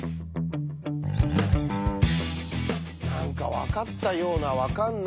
何か分かったような分かんないような。